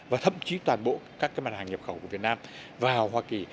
và thậm chí toàn bộ các cái mặt hàng nhập khẩu của việt nam vào hoa kỳ